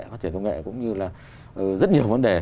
phát triển công nghệ cũng như là rất nhiều vấn đề